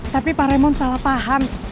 tapi pak remon salah paham